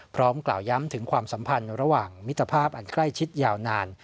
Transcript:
พร้อมกล่าวย้ำถึงความสัมพันธ์ระหว่างมิตรภาพอันใกล้ชิดยาวนาน